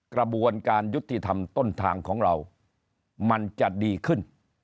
กระบวนการยุติธรรมต้นทางของเรามันจะดีขึ้น